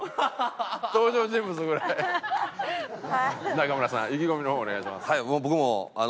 中村さん意気込みの方お願いします。